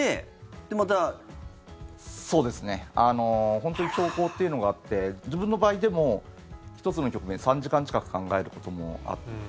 本当に長考というのがあって自分の場合でも１つの局面３時間近く考えることもあって。